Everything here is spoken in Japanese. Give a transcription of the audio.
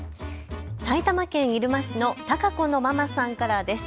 埼玉県入間市のタカコのママさんからです。